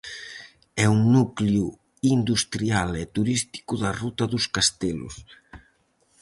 É un núcleo industrial e turístico da ruta dos castelos.